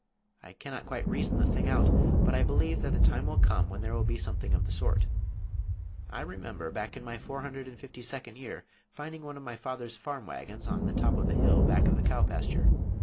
I cannot quite reason the thing out, but I believe that the time will come when there will be something of the sort. I remember back in my four hundred and fifty second year finding one of my father's farm wagons on the top of the hill back of the cow pasture.